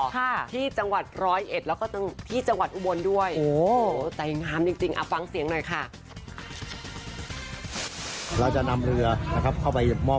ค่ะที่จังหวัดร้อยเอ็ดแล้วก็ที่จังหวัดอุบลด้วยโอ้โห